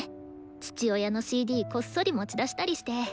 父親のＣＤこっそり持ち出したりして。